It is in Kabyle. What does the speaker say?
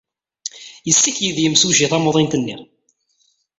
Yessekyed yimsujji tamuḍint-nni.